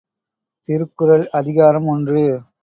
திருக்குறள் அதிகாரம் ஒன்று.